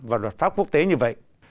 và luật pháp quốc tế như vậy